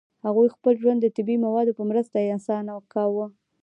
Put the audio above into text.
هغوی خپل ژوند د طبیعي موادو په مرسته اسانه کاوه.